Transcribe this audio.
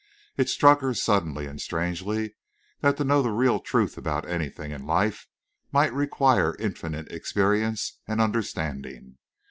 It struck her suddenly and strangely that to know the real truth about anything in life might require infinite experience and understanding.